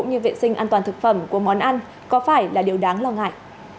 hình ảnh an toàn thực phẩm của món ăn có phải là điều đáng lo ngại